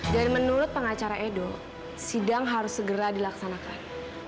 dan menurut pengacara edo sidang harus segera dilaksanakan